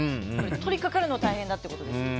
取りかかるの大変だっていうことです。